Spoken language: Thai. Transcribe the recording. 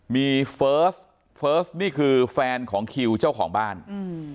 มีเฟิร์สเฟิร์สนี่คือแฟนของคิวเจ้าของบ้านอืม